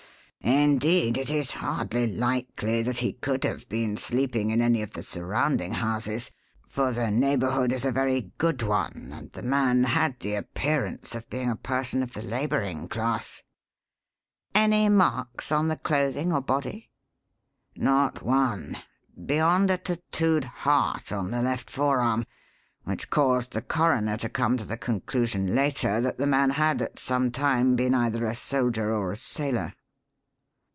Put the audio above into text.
Indeed, it is hardly likely that he could have been sleeping in any of the surrounding houses, for the neighbourhood is a very good one, and the man had the appearance of being a person of the labouring class." "Any marks on the clothing or body?" "Not one beyond a tattooed heart on the left forearm, which caused the coroner to come to the conclusion later that the man had at some time been either a soldier or a sailor."